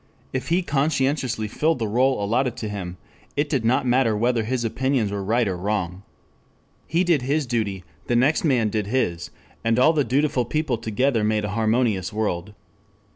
If he conscientiously filled the role allotted to him, it did not matter whether his opinions were right or wrong. He did his duty, the next man did his, and all the dutiful people together made a harmonious world.